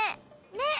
ねっ！